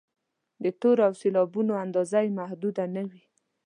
د تورو او سېلابونو اندازه یې محدوده نه وي.